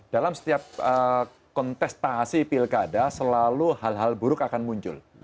dalam setiap kontestasi pilkada selalu hal hal buruk akan muncul